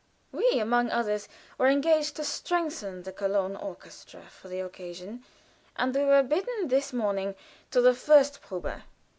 We, among others, were engaged to strengthen the Cologne orchestra for the occasion, and we were bidden this morning to the first probe.